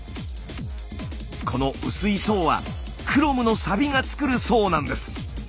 この薄い層はクロムのサビが作る層なんです。